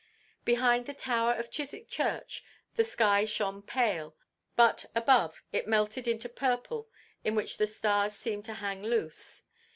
Behind the tower of Chiswick Church the sky shone pale, but, above, it melted into purple in which the stars seemed to hang loose.